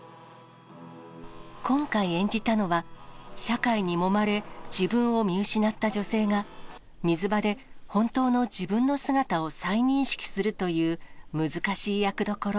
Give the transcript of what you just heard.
今回演じたのは、社会にもまれ、自分を見失った女性が、水場で本当の自分の姿を再認識するという難しい役どころ。